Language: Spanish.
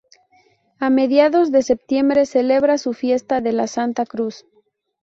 A mediados de septiembre celebra su "Fiesta de la Santa Cruz".